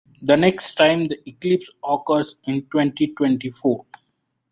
The next time the eclipse occurs is in twenty-twenty-four.